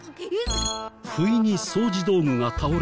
不意に掃除道具が倒れてきて。